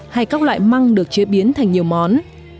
hay các loại măng được chế biến thành nhiều món